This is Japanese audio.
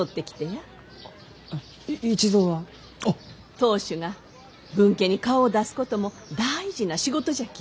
当主が分家に顔を出すことも大事な仕事じゃき。